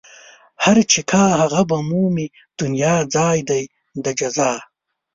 هر چې کا هغه به مومي دنيا ځای دئ د جزا